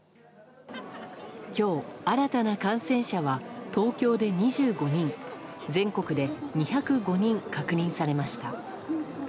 今日、新たな感染者は東京で２５人全国で、２０５人確認されました。